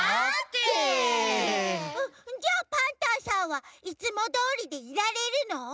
じゃあパンタンさんはいつもどおりでいられるの？